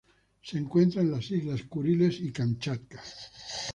Se encuentran en las Islas Kuriles y Kamchatka.